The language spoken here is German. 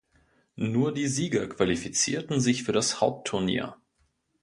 Nur die Sieger qualifizierten sich für das Hauptturnier.